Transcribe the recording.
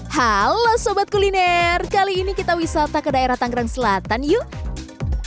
halo sobat kuliner kali ini kita wisata ke daerah tangerang selatan yuk